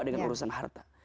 dengan urusan harta